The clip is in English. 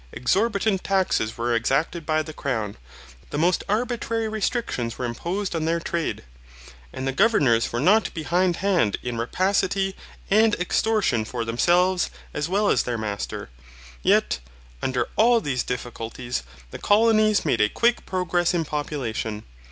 Exorbitant taxes were exacted by the Crown. The most arbitrary restrictions were imposed on their trade. And the governors were not behind hand in rapacity and extortion for themselves as well as their master. Yet, under all these difficulties, the colonies made a quick progress in population.